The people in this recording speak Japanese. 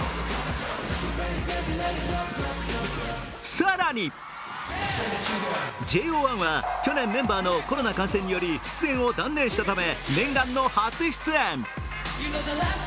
更にＪＯ１は去年、メンバーのコロナ感染により出演を断念したため念願の初出演。